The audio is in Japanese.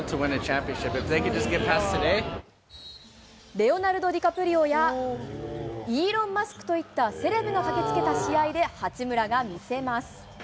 レオナルド・ディカプリオや、イーロン・マスクといった、セレブが駆けつけた試合で八村が見せます。